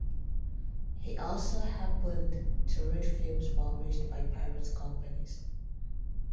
He also happened to read films published by pirate companies.